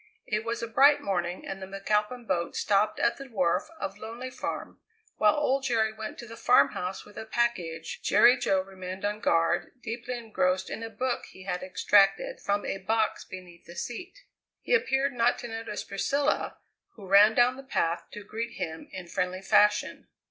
It was a bright morning and the McAlpin boat stopped at the wharf of Lonely Farm. While old Jerry went to the farmhouse with a package, Jerry Jo remained on guard deeply engrossed in a book he had extracted from a box beneath the seat. He appeared not to notice Priscilla, who ran down the path to greet him in friendly fashion.